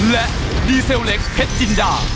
และดีเซลเล็กเพชรจินดา